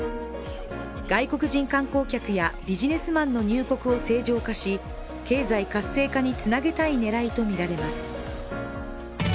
外国人観光客やビジネスマンの入国を正常化し経済活性化につなげたい狙いとみられます。